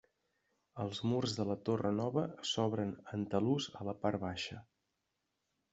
Els murs de la torre Nova s'obren en talús a la part baixa.